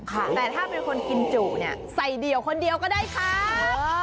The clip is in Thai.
แต่ถ้าเป็นคนกินจุใส่เดียวคนเดียวก็ได้ครับ